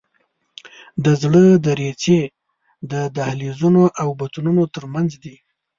د زړه دریڅې د دهلیزونو او بطنونو تر منځ دي.